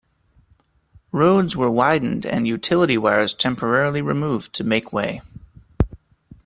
Roads were widened and utility wires temporarily removed to make way.